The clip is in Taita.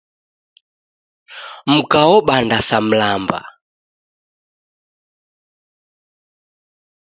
Mka obanda sa mlamba.